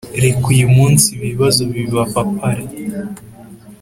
reka uyumunsi ibibazo bibapapare